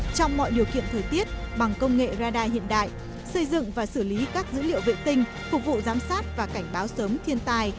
trong mọi điều kiện thời tiết bằng công nghệ radar hiện đại xây dựng và xử lý các dữ liệu vệ tinh phục vụ giám sát và cảnh báo sớm thiên tài